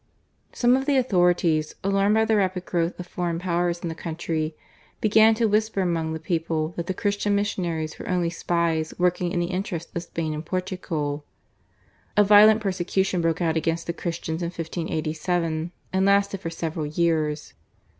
Some of the authorities, alarmed by the rapid growth of foreign power in the country, began to whisper among the people that the Christian missionaries were only spies working in the interest of Spain and Portugal. A violent persecution broke out against the Christians in 1587, and lasted for several years.